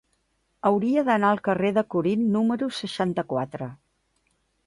Hauria d'anar al carrer de Corint número seixanta-quatre.